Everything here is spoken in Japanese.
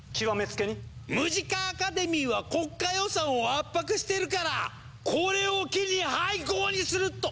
「ムジカ・アカデミーは国家予算を圧迫してるからこれを機に廃校にする」と！